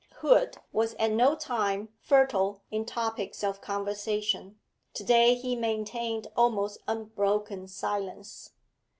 Hood was at no time fertile in topics of conversation; to day he maintained almost unbroken silence.